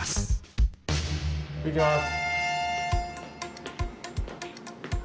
行きます。